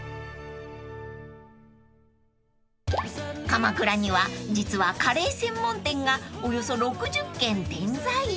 ［鎌倉には実はカレー専門店がおよそ６０軒点在］